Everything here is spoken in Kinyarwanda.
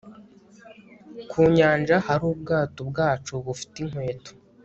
Ku nyanja ahari ubwato bwacu bufite inkweto